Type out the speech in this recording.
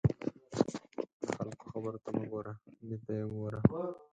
د خلکو خبرو ته مه ګوره، نیت ته یې وګوره.